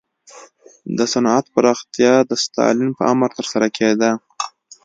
د صنعت پراختیا د ستالین په امر ترسره کېده